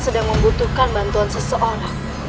sedang membutuhkan bantuan seseorang